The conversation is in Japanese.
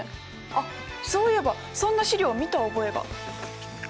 あっそういえばそんな資料を見た覚えが。